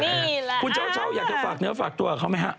นี่แหละอั๊กค่ะคุณเช้าอยากจะฝากตัวเขาไหมฮะ